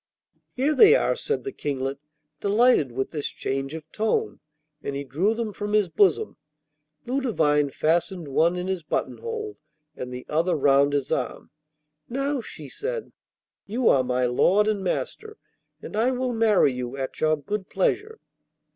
'Here they are,' said the Kinglet, delighted with this change of tone, and he drew them from his bosom. Ludovine fastened one in his buttonhole and the other round his arm. 'Now,' she said, 'you are my lord and master, and I will marry you at your good pleasure.